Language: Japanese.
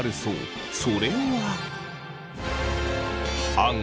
それは。